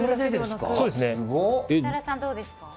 設楽さん、どうですか？